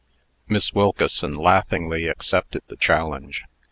Miss Wilkeson laughingly accepted the challenge.